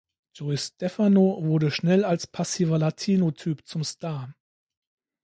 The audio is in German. Joey Stefano wurde schnell als passiver „Latino“-Typ zum Star.